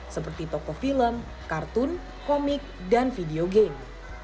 seperti toko film kartun komik dan video game